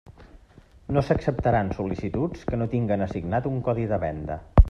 No s'acceptaran sol·licituds que no tinguen assignat un codi de venda.